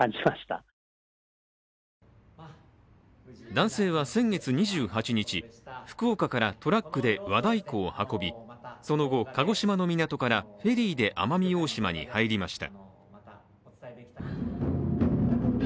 男性は先月２８日、福岡からトラックで和太鼓を運び、その後、鹿児島の港からフェリーで奄美大島に入りました。